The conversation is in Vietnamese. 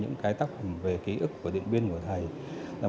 chiến dịch điện biên phủ